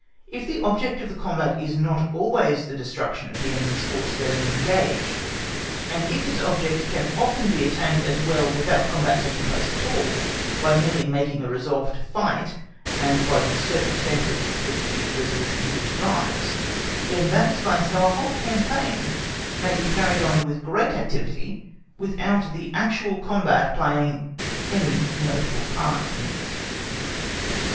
If the object of a combat is not always the destruction of the enemy's forces therein engaged—and if its object can often be attained as well without the combat taking place at all, by merely making a resolve to fight, and by the circumstances to which this resolution gives rise—then that explains how a whole campaign may be carried on with great activity without the actual combat playing any notable part in it.